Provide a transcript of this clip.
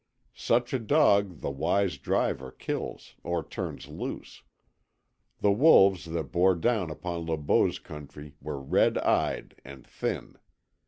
Such a dog the wise driver kills or turns loose. The wolves that bore down upon Le Beau's country were red eyed and thin.